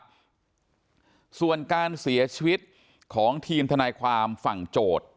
ครับส่วนการเสียชีวิตของทีมทนายความฝั่งโจทย์